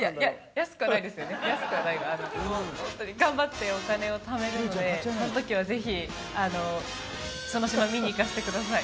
安くはないホントに頑張ってお金をためるのでそのときはぜひその島見に行かせてください